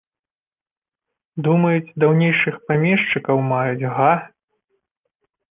Думаюць, даўнейшых памешчыкаў маюць, га?